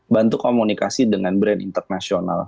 bantu komunikasi dengan brand internasional